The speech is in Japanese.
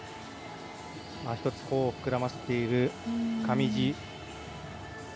口を膨らましている上地。